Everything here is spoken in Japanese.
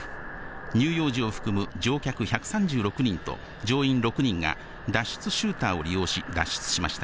乳幼児を含む乗客１３６人と乗員６人が、脱出シューターを利用し、脱出しました。